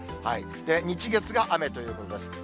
日、月が雨ということです。